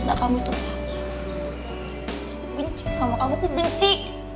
aku benci sama kamu benci